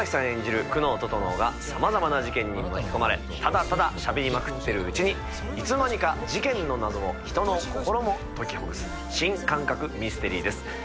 演じる久能整がさまざまな事件に巻き込まれただただしゃべりまくってるうちにいつの間にか事件の謎も人の心も解きほぐす新感覚ミステリーです。